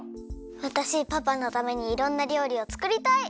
わたしパパのためにいろんなりょうりをつくりたい！